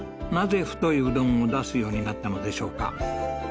なぜ太いうどんを出すようになったのでしょうか